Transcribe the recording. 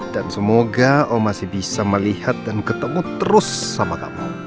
dan semoga om masih bisa melihat dan ketemu terus sama kamu